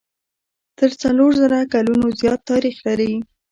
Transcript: تر څلور زره کلونو زیات تاریخ لري.